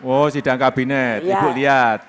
oh sidang kabinet ibu lihat